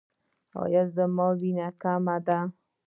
ایا زما وینه کمه ده؟